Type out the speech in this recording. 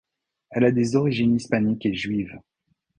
Elle a des origines hispaniques et juives.